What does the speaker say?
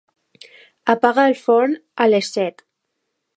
Apaga el forn a les set.